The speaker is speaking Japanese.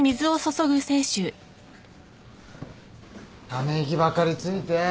ため息ばっかりついて。